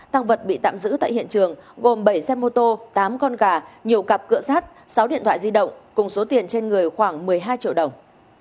tăng vật bị tạm giữ tại hiện trường gồm bảy xe mô tô tám con gà nhiều cặp cửa sát sáu điện thoại di động cùng số tiền trên người khoảng một mươi hai triệu đồng